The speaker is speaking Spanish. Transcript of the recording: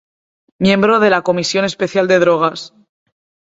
Miembro de la Comisión Especial de Drogas.